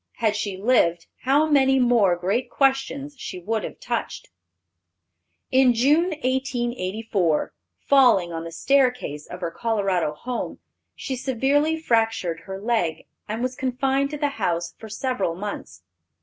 Had she lived, how many more great questions she would have touched. In June, 1884, falling on the staircase of her Colorado home, she severely fractured her leg, and was confined to the house for several months.